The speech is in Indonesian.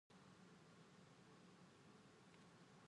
Ayo lari.